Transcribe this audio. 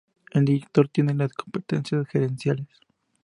El Director tiene las competencias gerenciales.